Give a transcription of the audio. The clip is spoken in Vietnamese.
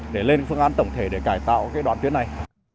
để lên phương án tổng thể để cải tạo đoạn tuyến này